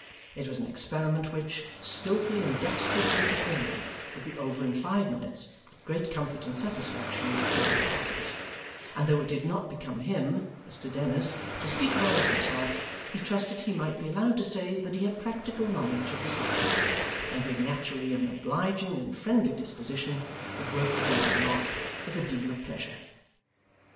It was an experiment which, skilfully and dexterously performed, would be over in five minutes, with great comfort and satisfaction to all parties; and though it did not become him (Mr Dennis) to speak well of himself he trusted he might be allowed to say that he had practical knowledge of the subject, and, being naturally of an obliging and friendly disposition, would work the gentleman off with a deal of pleasure.